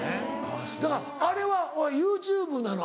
だからあれはＹｏｕＴｕｂｅなの？